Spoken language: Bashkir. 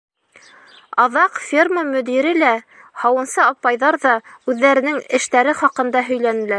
Аҙаҡ ферма мөдире лә, һауынсы апайҙар ҙа үҙҙәренең эштәре хаҡында һөйләнеләр.